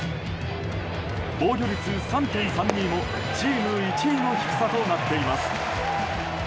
防御率３．３２も、チーム１位の低さとなっています。